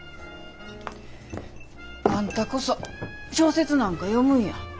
あんたこそ小説なんか読むんや。